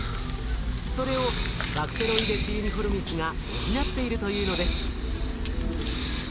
それをバクテロイデス・ユニフォルミスが補っているというのです。